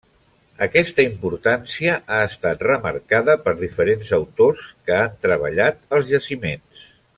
Aquesta importància ha estat remarcada per diferents autors que han treballat als jaciments.